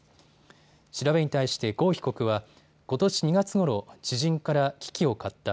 調べに対して郷被告はことし２月ごろ、知人から機器を買った。